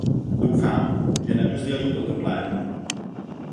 Doufám, že nerozdělí toto plénum.